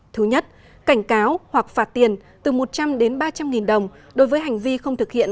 thứ nhất cảnh cáo hoặc phạt tiền từ một trăm linh đến ba trăm linh nghìn đồng đối với hành vi không thực hiện